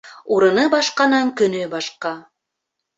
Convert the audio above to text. Урыны башҡаның көнө башҡа.